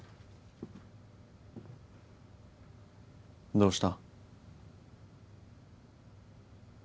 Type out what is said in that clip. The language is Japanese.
どうした？